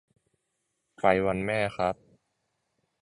ไฟวันแม่ครับ